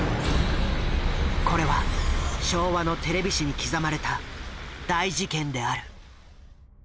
これは昭和のテレビ史に刻まれた大事件である。